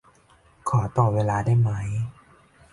ขอต่อเวลาได้ไหม